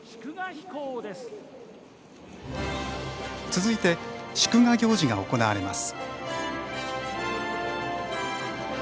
続いて、祝賀行事が行われます。